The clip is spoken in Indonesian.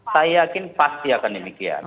saya yakin pasti akan demikian